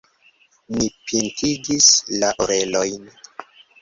Ni pintigis la orelojn.